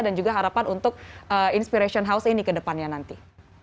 dan juga harapan untuk inspiration house ini ke depannya nanti